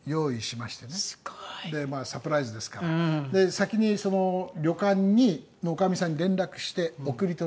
先に旅館の女将さんに連絡して送り届けて。